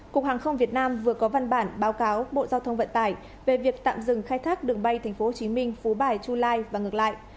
cục hàng không việt nam vừa có văn bản báo cáo bộ giao thông vận tải về việc tạm dừng khai thác đường bay tp hcm phú bài chu lai và ngược lại